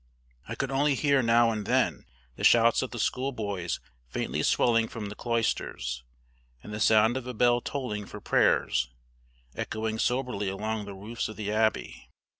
I could only hear now and then the shouts of the school boys faintly swelling from the cloisters, and the sound of a bell tolling for prayers echoing soberly along the roofs of the abbey.